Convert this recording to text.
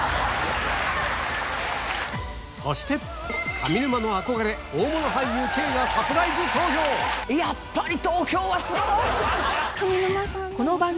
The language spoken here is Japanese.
そして上沼の憧れ大物俳優Ｋがサプライズ登場やっぱり。